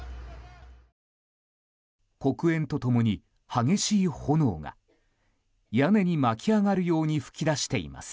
黒煙と共に激しい炎が屋根に巻き上がるように噴き出しています。